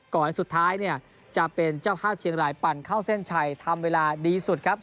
สุดท้ายเนี่ยจะเป็นเจ้าภาพเชียงรายปั่นเข้าเส้นชัยทำเวลาดีสุดครับ